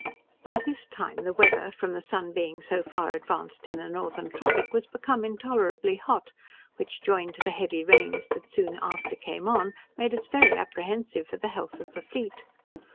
By this time the weather, from the sun being so far advanced in the northern tropic, was become intolerably hot, which, joined to the heavy rains that soon after came on, made us very apprehensive for the health of the fleet.